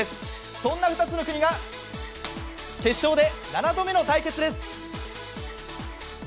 そんな２つの国が決勝で７度目の対決です！